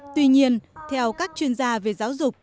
tuy nhiên theo các chuyên gia về giáo dục